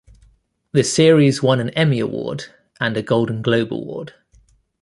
The series won an Emmy Award and a Golden Globe Award.